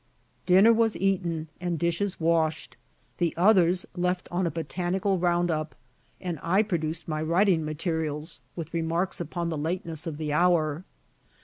Dinner was eaten, and dishes washed; the others left on a botanical round up, and I produced my writing materials, with remarks upon the lateness of the hour.